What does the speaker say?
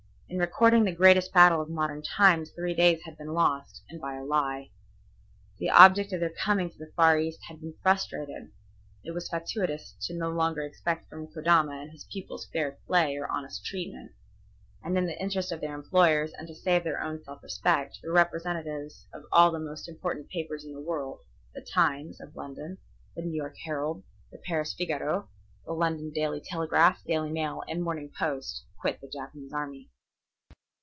In recording the greatest battle of modern times three days had been lost, and by a lie. The object of their coming to the Far East had been frustrated. It was fatuous to longer expect from Kodama and his pupils fair play or honest treatment, and in the interest of their employers and to save their own self respect, the representatives of all the most important papers in the world, the Times, of London, the New York Herald, the Paris Figaro, the London Daily Telegraph, Daily Mail, and Morning Post, quit the Japanese army.